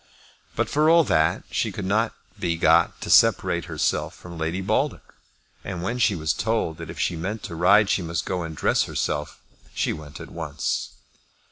But, for all that, she could not be got to separate herself from Lady Baldock; and when she was told that if she meant to ride she must go and dress herself, she went at once.